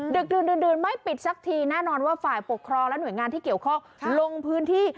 ดึกดื่นไม่ปิดสักทีแน่นอนว่าฝ่ายปกครองและหน่วยงานที่เกี่ยวข้องลงพื้นที่